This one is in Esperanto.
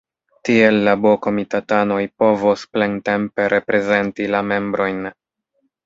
Tiel la B-komitatanoj povos plentempe reprezenti la membrojn.